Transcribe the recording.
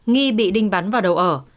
nghi bị đinh bắn vào đầu ở